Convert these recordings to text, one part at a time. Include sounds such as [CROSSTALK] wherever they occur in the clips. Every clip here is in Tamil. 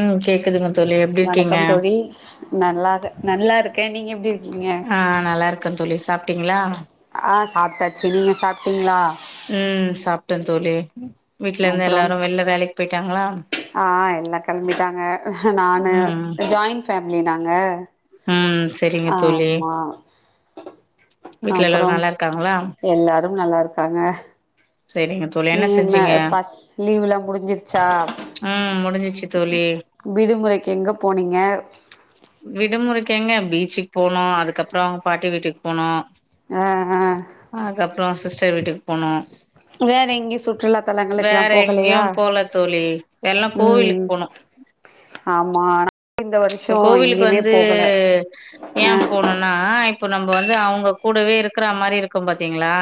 ம் கேக்குதுங்க தோழி எப்டிருக்கீங்க நல்லா இரு நல்லா இருக்கேன் நீங்க எப்டி ருக்கிங் ஆ நல்லா இருக்கே தோழி சாப்ட்டீங்களா? ஆ சாப்ட்டாச்சு நீங்க சாப்ட்டீங்களா ம் சாப்ட்டே தோழி வீட்ல என்ன அப்றோ எல்லாரு வெளில வேலைக்கி போய்ட்டாங்ளா ஆ எல்லா கெளம்பிட்டாங்க நானு ம் ஜாயிண்ட் ஃபேமிலி நாங்க ம் செரிங்க தோழி. ஆமா வீட்ல எல்லோரு அப்றம் நல்லா இருக்காங்ளா எல்லாரும் நல்லா இருக்காங்க செரிங்க தோழி நீ என்ன பத் லீவுல்லா முடிஞ்சிருச்சா ம் முடிஞ்சிச்சு தோழி விடுமுறைக்கு எங்க போனீங்க விடுமுறைக்கெங்க பீச்சுக்கு போனோ அதுக்கப்றோ அவ்ங் பாட்டி வீட்டுக்கு போனோ அ அ அதுக்கப்றோ சிஸ்டர் வீட்டுக்கு போனோ வேற எங்கையு சுற்றுலா தளங்கக்கெல்லா வேற எங்கேயு போகலையா போல தோழி எல்லா கோவிலுக்கு ம் போனோ. ஆமா ஆனா இப்ப கோவிலுக்கு வந்து ஏ ஆ போணுனுனா இப்ப நம்ம வந்து அவுங்க கூடவே இருக்கிற மாரி இருக்கு பாத்தீங்ளா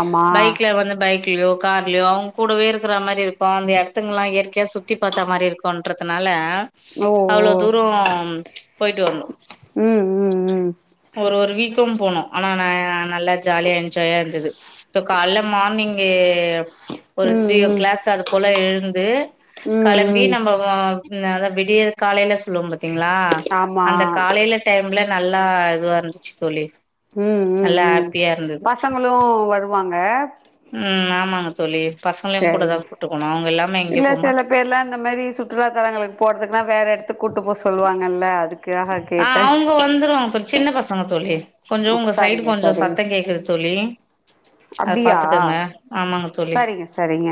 ஆமா பைக்ல வந்து பைக் கிலோ கார்ல்யோ அவுங்க கூடவே இருக்கிற மாரி இருக்கு அந்த இடத்துங்கல்லா இயற்கையா சுத்தி பாத்த மாரி இருக்குன்றதுனால ஓ ஓ தூரோம் போயிட்டு வந்தோ ம் ம் ம் ஒரு ஒரு வீக்கும் போனோ ஆனா நா நல்லா ஜாலியா என்ஜாயா இருந்தது இப்ப கால்ல மார்னிங்கி ஒரு த்ரீ ஓ ம் ம் கிளாக் அது போல எழுந்து ம் களம் பி ம் நம்ம வ அத விடியற் காலையில சொல்லுவோ பாத்தீங்ளா ஆமா அந்த காலையில டைம்ல நல்லா இதுவா இருந்துச்சு தோழி ம் ம் நல்லா ம் ஹாப்பியா இருந்தது பசங்களு வருவாங்க ம் ஆமாங்க தோழி பசங்களையு கூட தா கூட்டுப்போணு அவுங்க எல்லாம எங்கேயு போமாட்டோ தெர்ல அந்த மாரி சுட் றுலாத்தலங்களுக்கு போறதுக்குன்னா வேற எடத்துக்கு கூட்டு போ சொல்லுவாங்க அதுக் ஆ அவுங்க வந்துருவாங்க பே சின்ன பசங்க தோழி கொஞ்சோ அப் உங்க சைடு சரிங்க கொஞ்சோ சரிங்க சத்த கேக்குது தோழி அத அப்டியா பாத்துக்கங்க ஆமாங்க தோழி சரிங்க சரிங்க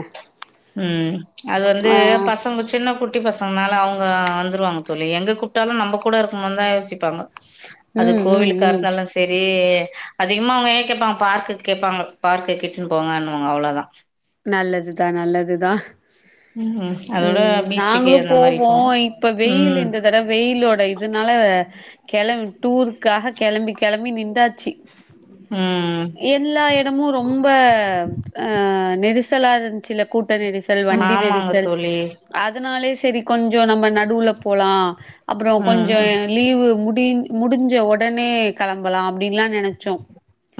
ம் அது வந்து ஆ பசங்க சின்ன குட் ட்டி பசங்கனால அவுங்க வந்துருவாங்க தோழி எங்க கூப்ட்டாலு நம்ம கூட இருக்கனந்தா யோசிப்பாங்க அது ம் ம் கோவிலுக்கா ம் இருந்தாலு செ செரி அதிகமா அவுங்க என்ன கேட்பாங்க பார்க்கு கேட்பாங்க பார்க்கு கிட்டனு போங்கனுவாங்க அவ்ளதா நல்லதுதா நல்லதுதா ம் அதோட ம் பீச்சுக்கு நாங்களு அந்த மாரி போவோ போவோம். இப்ப வெயிலு ம், இந்த தடவ வெயிலோட இதுனால கெளம்பி டூருக்காக கெளம்பி கெளம்பி நின்டாச்சு ம் ம் எல்லா எடமு ரொம்ப ஆ நெரிசலா இருந் ச்சுல கூட்ட நெரிசல் வண்டி ஆமாங்க நெரிசல் தோழி. அதனாலே செரி கொஞ்சோ நம்ம நடுவுல போலா அப்றோ ம், கொஞ்சோ லீவு முடி முடிஞ்ச ஒடனே கெளம்பலா அப்டின்லா நெனச்சோ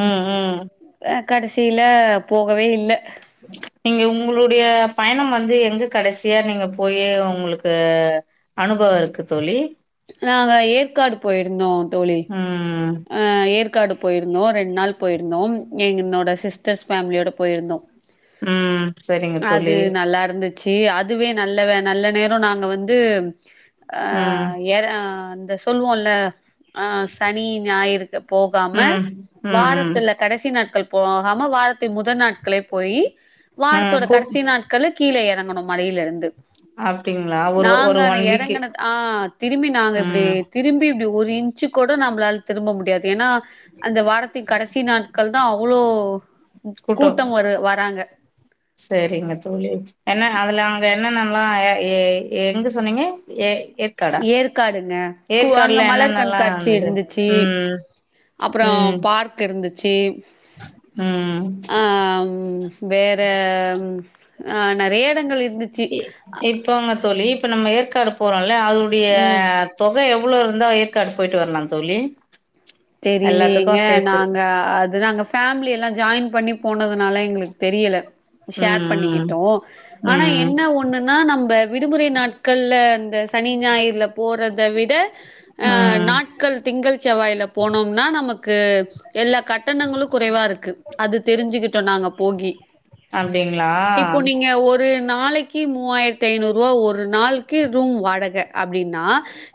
ம் ம் அ கடைசில போகவே இல்ல [INAUDIBLE] நீங்க உங்களுடைய பயணம் வந்து எங்க கடைசியா நீங்க போயி ஒங்களுக்கு அனுபவ இருக்கு தோழி நாங்க ஏற்காடு போயிருந்தோ தோழி ம் அ ஏற்காடு போயிருந்தோ ரெண்டு நாள் போயிருந்தோ என்னோட சிஸ்டர்ஸ் ஃபேமிலியோட போயிருந்தோ ம் சரிங்க அது தோழி நல்லா இருந்துச் சி அதுவே நல்ல வே நல்ல நேரோ நாங்க வந்து ஆ ம் ஏர இந்த சொல்வோல்ல ஆ சனி ஞாயிறுக்கு போகாம ம் ம் ம் வாரத்தில கடைசி நாட்கள் போகாம வாரத்தில் முதல் நாட்களே போயி ம் வாரத்தோட கூப் கடைசி நாட் கள்ல கீழ எறங்கனோ மலைல இருந்து அப்டிங்களா ஒரு ஒரு நாங்க ஒன் வீக்கு எறங்கனது ஆ திரும்பி நாங்க இப்டி ம் திரும்பி இப்டி ஒரு இன்ச் கூட நம்மளால திரும்ப முடியாது ஏனா அந்த வாரத்தின் கடைசி நாட்கள்தா அவ்ளோ கூட்டம் வரு வராங்க செரிங்க தோழி என்ன அதுல அங்க என்னன்னலா எ எங்க சொன்னீங்க எ ஏற் ஏற்காடுங்க கு அங்க மலர் என்னென்னல்லா கண்காட்சி இருந்தது இருந்துச்சி ம் அப்றோ ம் பார்க் இருந்துச்சி ம் ஆ வேற ஆ நெறைய எடங்கள் இரு இ இப்போங்க தோழி இப்ப நம்ம ஏற்காடு போறோல்ல அதனுடைய ம் தொக எவ்ளோ இருந்தா ஏற்காடு போயிட்டு வரலா தோழி எல்லாத்துக்கு தெரிலியேங்க சேத்து நாங்க அது நாங்க ஃபேமிலியெல்லா ஜாயின் பண்ணி போனதுனால எங்களுக்கு தெரியல ஷேர் ம் பண்ணிக்கிட்டோ ஆனா ம் என்ன ஒன் ஒண்ணுன்னா நம்ம விடுமுறை நாட்கள்ல இந்த சனி ஞாயிறுல்ல போறத விட ஆ ம் ம் நாட்கள் திங்கள் செவ்வாயில போனோனா நமக் கு எல்லா கட்டணங்களு குறைவா இருக்கு அது தெரிஞ்சுக்கிட்டோ நாங்க போகி அப்டிங்ளா இப்போ நீங்க ஒரு நாளக்கி மூவாயிரத்தி ஐநூறு ரூவா ஒரு நாள்க்கு ரூம் வாடக அப்டின்னா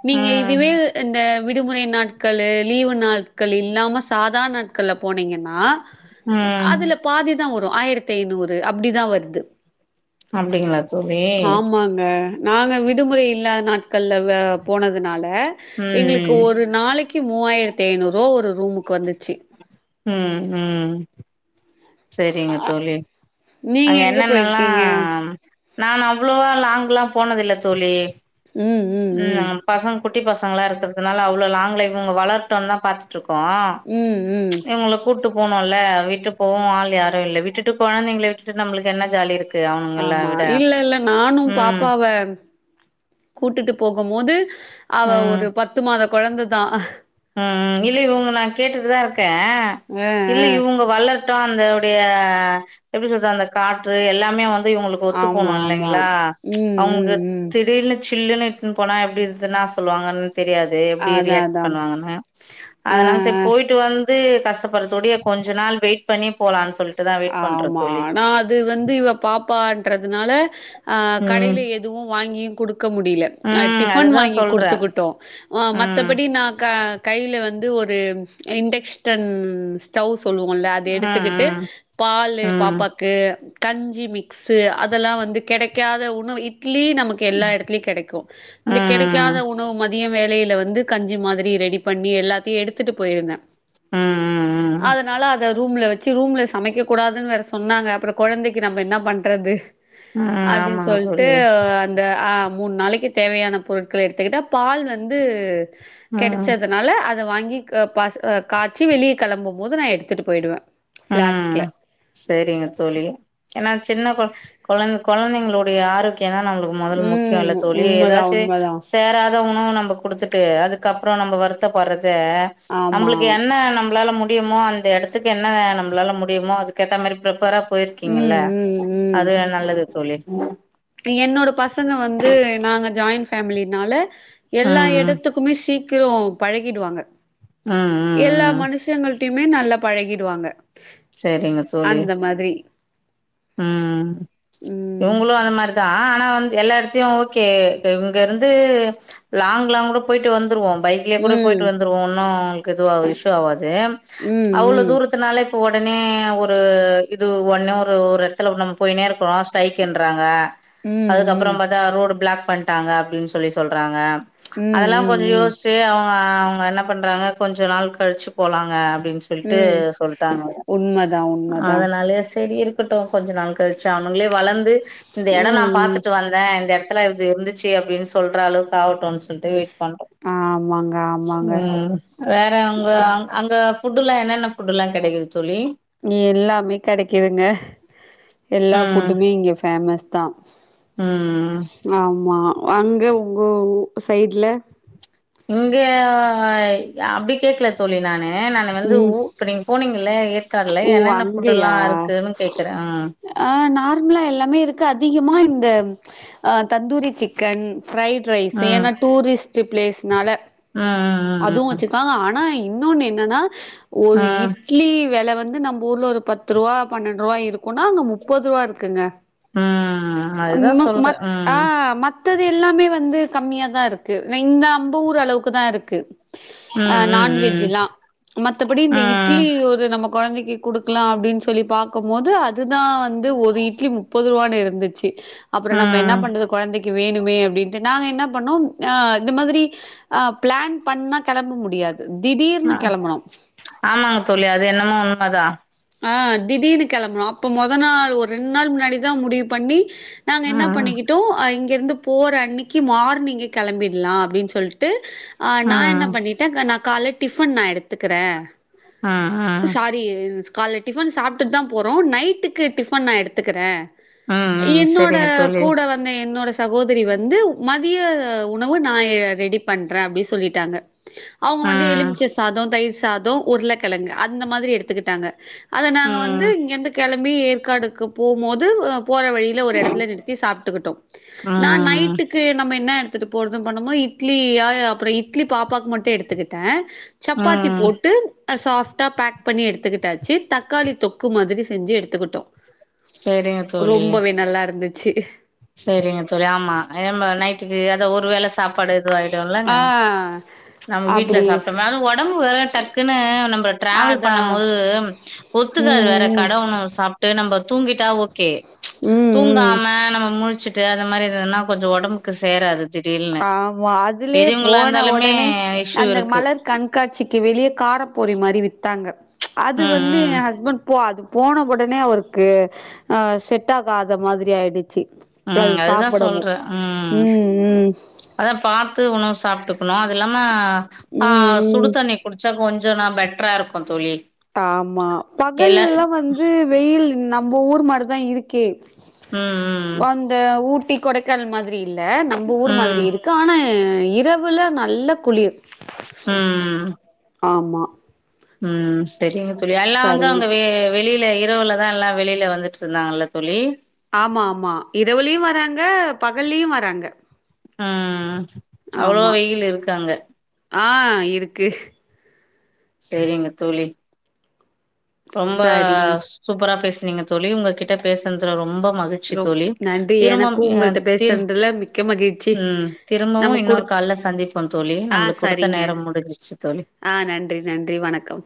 நீங்க ம் இதுவே இந்த விடுமுறை நாட்களு லீவு நாட்கள் இல்லாம சாதா நாட்கள்ல போனீங்கன்னா ம் அதுலப் பாதி தா வரு ஆயிரத்தி ஐநூறு அப்டிதா வருது அப்டிங்ளா தோழி க நாங்க விடுமுறை இல்லாத நாட்கள்ல போனதுனால எங்களுக்கு ம் ஒரு நாளக்கி மூவாயிரத்தி ஐநூறு ரூவா ஒரு ரூமுக்கு வந்துச்சி ம் ம் சரிங்க தோழி நீங்க அங்க எங்க என்னன்னல்லா போயிருக்கீங்க? நானு அவ்ளோவா லாங்க்ல்லா போனதில்ல தோழி ம் பசங்க குட்டி பசங்கல்லா இருக்கிறதுனால அவ்ளோ லாங்ல இவுங்க வளரட்டுனுதா பாத்துட்டுருக்கோ ம், ம் இவங்கள கூட்டு போனுல்ல விட்டு போவவு ஆள் யாரு இல்ல விட்டுட்டு கொழந்தைங்கள விட்டுட்டு நம்மளுக்கு என்ன ஜாலி இருக்கு அவனுங்கள ஆமா விட இல்ல இல்ல நானு ம் பாப்பாவ கூட்டுட்டு போகும்போது அவ ஒரு பத்து மாத கொழந்ததா உம் இல்ல இவங்கள நா கேட்டுட்டுதா இருக்கே இல்ல அ இவுங்க வளர்ப் தா அந்தவுடைய எப்டி சொல்றது அந்த காற்று எல்லாமே வந்து இவுங்களுக் ஒத்து ஆமா போனும ஆமா இல்லைங்களா ம் அவுங்களுக்கு ம் ம் திடீர்னு சில்லுனுட்டுன்னு போனா எப்டி இருதுன்னா சொல்லுவாங்கன்னு தெரியாது எப்டி அதா ரியாக்ட் அதா பண்ணுவாங்கனு அ அத்னால செரி அ போயிட்டு வந்து கஷ்டப்படுறதுடைய கொஞ்ச நாள் வெயிட் பண்ணி போலாம்னு சொல்லிட்டுதா வெயிட் பண்றே தோழி இது வந்து இவ பாப்பன்றதுனால ஆ ம் கடைல எதுவு வாங்கியு குடுக்க முடில நா ம் டிஃபன் அதுதா வாங்கி சொல்றே குடுத்துக்குட்டோ ம் மத்தபடி நாக்க கைல வந்து ஒரு இண்டக்ஷடன் ஸ்டவ் சொல்லுவோல்ல அது ம் எடுத்துக்கிட்டு ம் பாலு ம் பாப்பாக்கு கஞ்சி மிக்ஸ் அதெல்லா வந்து கெடக்காத உணவு இப் இட்லி நமக்கு எல்லா இடத்துலயு கெடக்கு ம் இந்த கெடக்காத ம் ஒன் டவு மதியோ வேலைல வந்து கஞ்சி மாதிரி ரெடி பண்ணி எல்லாத்தையு எடுத்துட்டு போயிருவே ம் அத்னால அத ரூம்ல வச்சு ரூம்ல சமக்க கூடாதுன்னு வேற சொன்னாங்க அப்றோ கொழந்தக்கி நம்ம என்ன பண்றது ம் ம் அப்டின்னு ஆமாங்க சொல்ட்டு தோழி இந்த அ மூணு நாளைக்கு தேவையான பொருட்கள் எடுத்துக்கிட்டா பால் வந்து ம் கெடச்சத அத்னால அத வாங்கி க பாஸ் காச்சி வெளிய கெளம்பும் போது நா எடுத்துட்டு போயிடுவே ஃப்ளாஸ்க்ல செரிங்க தோழி ஏன்னா சின்ன கொழ கொழந்த கொழந்தைங்களுடைய ஆரோக்கியோ தா நம்மளுக்கு மொதல முக்கியம் ம் ல தோழி உண்மதா ஏதாச்சு உண்மதா சேராத உணவு நம்ம குடுத்துட்டு அதுக்கப்றோ நம்ம வருத்தப்படுறது ஆமா நம்ளுக்கு என்ன நம்மளால முடியுமோ அந்த எடத்துக்கு என்ன வேணு நம்பளால முடியுமோ அதுக்கேத்தா மாதிரி பிரிப்பரா போயிருக்கீங்கல்ல ம் ம் ம் அது நல்லது தோழி என்னோட பசங்க வந்து நாங்க ஜாயின் ஃபேமிலினால ம் எல்லா ம் எடத்துக் குமே சீக்கிரோ பழகிடுவாங்க ம் ம் எல்லா ம் மனுஷங்கள்ட்டயுமே நல்லா பழகிடுவாங்க செரிங்க தோழி மாத்ரி உம் ம் ம் இவுங்களு அந்த மார் தா ஆனா வந்து எல்லா எடத்தையு ஓகே இங்க இருந்து லாங் லாங் கூட போயிட்டு வந்துருவோ பைக் லிய கூட ம் போயிட்டு வந்துருவோ ஒன்னு க்குஇதுவா இஷ்யூ ஆவாது ம் அவ்ளோ ம் தூரத்துக் பத்து நாளக்கி ஒடனே ஒரு இது ஒன்னே ஒரு ஒரு எடத்துல நம்ம போயினே இருக்கோ ஸ்டரைக்ன்றாங்க ம் அதுக்கப்புறோ ம் பாத் தா ரோடு ப்ளாக் பண்ணிட்டாங்க அப்டின்னு சொல்லி சொல்றாங்க ம் அதெல்லா ம் கொஞ்சோ ம் யோசுச்சு அவங்க அவங்க என்ன பண்றாங்க கொஞ்ச நாள் கழிச்சு போலாங்க அப்டின்னு சொ சொல்லிட்டு ம் சொல்ட்டாங்க உண்மதா உண்மதா அதனால சரி இருக் கட்டு கொஞ்ச நாள் கழிச்சு அவ்ங்களே வளந்து இந்த எடம் நா ம் ம் பாத்துட்டு வந் தே இந்த எடத்துல இது இருந்துச்சி அப்டின்னு சொல்ற அளவுக்கு ஆவட்டுன்னு சொல்லிட்டு வெயிட் பண்றோ ஆமாங்க ஆமாங்க உம் வேற அங்க அங்க ஃபுட்டு் எல்லா என்னென்ன ஃபுட்டு் எல்லா கெடக்கிது தோழி எல்லாமே கெடக்கீதுங்க எல்லா ம் ஃபுட்டுமே இங்க ஃபேமஸ் தா ம் ஆமா அங்க உங்க ஊ சைடுல இங்க அப்டி கேக்கல தோழி நானு ஆ நானு வந்து ம் ஊ இப்ப நீங்க போனீங்க இல்ல ஏற்காடுல ஓ என்னன்னா ஃபுட்டுலா அங்கயா இருக்குன் கேக்கற ஆ ஆ நார்மலா எல்லாமே இருக்கு அதிகமா இந்த ஆ தந்தூரி சிக்கன் ஃப்ரைட் ரைஸ் ஏனா டூரிஸ்ட்டு ப்ளேஸ்னால ஆ ஆ ஆ ஆ பாங்க ஆனா இன்னொன்னு என்னன்னா ஒரு ம் ம் இட் இட்லி வெல வந்து நம்ப ஊர்ல ஒரு பத்து ரூபா பன்னண்டு ரூபா இருக்குன்னா இங்க முப்பது ரூபா இருக்குங்க ம் அதுதா ம் சொல்றே மத் ஆ ம் மத் தது எல்லாமே வந்து கம்மியா தா இருக்கு இந்த நம்ப ஊரு அளவுக்கு தா இருக் கு ஆ ம் ம் நான்வெஜில்லா மத்தபடி ம் இந்த ம் இட்லி ஒரு நமக்கு கொழந்தைக்கி குடுக்கலா அப்டின் சொல்லி பாக்கம்போது அதுதா வந்து ஒரு இட்லி முப்பது ரூபானு இருந்துச்சி அப்றோ நம்ம என்ன ம் பண்ற கொழந்தைக்கி வேணுமே அப்டின்ட்டு நாங்க என்ன பண்ணோ ஆ இந்த மாதிரி ஆ பிளான் பண்ணா கெளம்ப முடியாது திடீர்னு அ கெளம்பணோ ஆமாங்க தோழி அது என்னமோ உண்மதா ஆ திடீர்னு கெளம்ணோ அப்ப மொத நாள் ஒரு ரெண் நாள் முன்னாடிதா முடிவு பண்ணி நாங்க என்ன ம் பண்ணிக்கிட் டோம் இங்க இருந்து போற அன்னக்கி மார்னிங்கே கெளம்பிடலா அப்டின் சொல்ட்டு ஆ நா என்ன ம் பண்ணிட்டன் நா கால்ல டிஃபன் நா எடுத்துக்கிற ஆ ஆ [UNINTELLIGIBLE] கால்ல டிஃபன் சாப்ட்டுட்டு தா போறோ நைட்டுக்கு டிஃபன் நா எடுத்துக்கிற ம் ம் என்னோட சரிங்க தோழி கூட வந் த என்னோட சகோதிரி வந்து மதிய உணவு நா ரெடி பண்ற அப்டி சொல்லிட்டாங்க அவுங்க வந்து ம் எலுமிச்ச சாதோ தயிர் சாதோ உருளக்கெழங்கு அந்த மாதிரி எடுத்துக்கிட்டாங்க அத நாங்க ம் வந்து இங்கிருந்து கெளம்பி ஏற்காடுக்கு போமோது போற வழி ல ஒரு எடத்துல நிறுத்தி சாப்ட்டுக்கிட்டோ நா ம் நைட்டு க்கு நம்ம என்ன எடுத்துட்டு போறதுன்னு பண்ணோமோ இட்லியா அப்றோ இட்லி பாப்பாக்கு மட்டு எடுத்துக்கிட்ட சப்பாத்தி ம் போட்டு சாஃப்ட்டா பேக் பண்ணி எடுத்துக்கிட்ட சி தக்காளி தொக்கு மாதிரி செஞ்சி எடுத்துக்கிட்டோ சரிங்க ரொம்பவே நல்லா இருந்துச்சி செரிங்க தோழி ஆமா எம்ப நைட்டுக்கு எதோ ஒரு வேள சாப்பாடு எதுவு ஆயிடும்ல்ல ஆ நம்ம வீட்ல அப்டி சாப்ட்டோனாலு ஒடம்பு வேற டக்குன்னு நம்ம டிராவல் அதா பண்ணமோது ஒத்துக்காது வேற ம் கடஉணவு சாப்ட்டு நம்ம தூங்கிட்டா ஓகே ம் ம் ம் தூங்காம நம்ம முழிச்சிட்டு அந்த மாரி எதன்னா கொஞ்சோ ஒடம்புக்கு சேராது திடீல்னு ஆமா அதுலயே பெரியவங்களா போன இருந்தாலுமே ஒடனே இஷ்யூ அந்த இருக்கு. மலர் கண் காட்சிக்கு வெளியே காரப்பூரி மாரி வித்தாங்க அது ம், வந்து ம். என் ஹஸ்பண்ட் போ அது போன ஒடனே அவருக்கு ஆ செட் ஆகாத மாதிரி ஆயிடுச்சி அது ம். அதுதான் சாப்டவு ம் ம் அதா பாத்து உணவு சாப்ட்டுக்குணு அது இல்லாம ஆ ம் சுடு ம் தண்ணி குடிச்சா கொஞ்சோ நா பெட்டரா இருக்கும் தோழி ஆமா எல்லா பகல்லா வந்து வெயில் நம்ப ஊர் மாரிதா இருக்கே ம், ம். அந்த ஊட்டி கொடக்கானல் மாதிரி இல்ல நம்ப ஊர் மாதிரி ம். இருக் கு ஆனா இரவுல நல்ல குளிர் ம் ஆமா ம் சரிங்க தோழி எல்லா வந்து சரிங்க அவங்க தோ வெ வெளியில இரவுல அதா எல்லா வெளியில வந்துட்டு இருந்தாங்கலே தோழி ஆமா ஆமா இரவுலையு வராங்க பகல்லையு வராங்க ஆ அவ்ளோ ஆமா. வெயில் இருக்கு அங்க ஆ இருக்கு சரிங்க தோழி ரொம்ப சரிங்க. சூப்பரா பேசுனிங்க தோழி உங்க கிட்ட பேசனதுல ரொம்ப மகிழ் ச்சி ரொம் தோழி நன்றி. திரும்பம் எனக்கும் அ உங்கள்ட்ட தி பேசுனதுல மிக்க மகிழ்ச்சி. ம் திரும்பவு நம்ம இன்னொரு குடுத் கால்ல சந்தி ப்போ தோழி ஆ நம்மளுக்கு கொடுத்த சரிங்க. நேரம் முடிஞ்சிச்சு தோழி ஆ நன்றி நன்றி வணக்கம்